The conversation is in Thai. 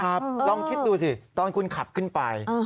ลองคิดดูสิตอนคุณขับขึ้นไป